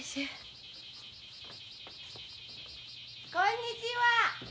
・こんにちは。